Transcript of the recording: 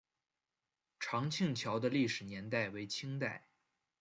长庆桥的历史年代为清代。